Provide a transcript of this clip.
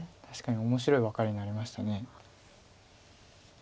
確かに面白いワカレになりました。